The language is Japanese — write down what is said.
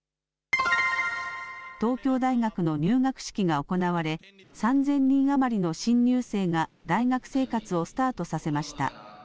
東京大学の入学式が行われ３０００人余りの新入生が大学生活をスタートさせました。